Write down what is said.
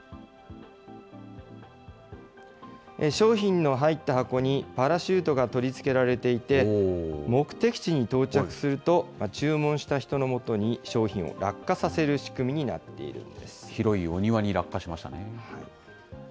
商品の入った箱にパラシュートが取り付けられていて、目的地に到着すると、注文した人のもとに商品を落下させる仕組みになってい広いお庭に落下しましたね。